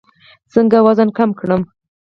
څنګه وزن کم کړو؟